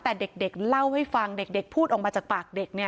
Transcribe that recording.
แต่เด็กเล่าให้ฟังเด็กพูดออกมาจากปากเด็กเนี่ย